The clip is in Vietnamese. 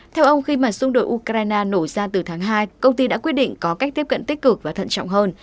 theo ông khi mà xung đột ukraine nổ ra từ tháng hai công ty đã quyết định có cách tiếp cận tích cực và thận trọng hơn